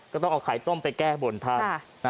ต้องเอาไข่ต้มไปแก้บนท่าน